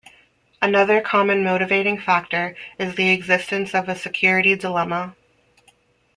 Another common motivating factor is the existence of a security dilemma.